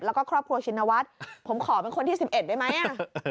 แล้วก็ครอบครัวชินวัฒน์ผมขอเป็นคนที่๑๑ได้ไหม